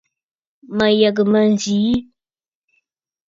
Mə̀ yə̀gə̀ mə̂ yi nzi.